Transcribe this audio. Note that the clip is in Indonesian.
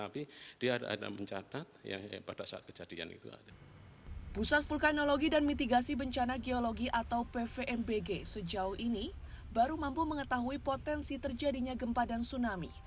pusat vulkanologi dan mitigasi bencana geologi atau pvmbg sejauh ini baru mampu mengetahui potensi terjadinya gempa dan tsunami